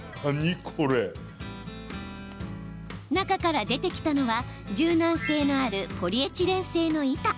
中から出てきたのは柔軟性のあるポリエチレン製の板。